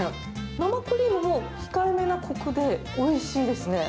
生クリームも控えめなこくで、おいしいですね。